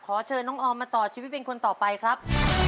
ขอเชิญน้องออมมาต่อชีวิตเป็นคนต่อไปครับ